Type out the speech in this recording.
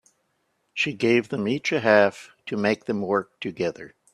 She gave them each a half to make them work together.